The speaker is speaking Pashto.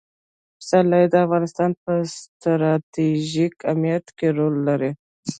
پسرلی د افغانستان په ستراتیژیک اهمیت کې رول لري.